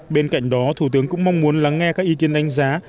bên cạnh đó thủ tướng cũng mong muốn lắng nghe các ý kiến đánh giá